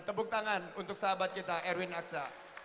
tepuk tangan untuk sahabat kita erwin aksa